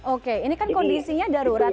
oke ini kan kondisinya darurat